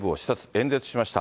演説しました。